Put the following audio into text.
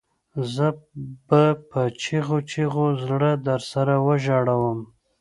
زه به په چیغو چیغو زړه درسره وژړوم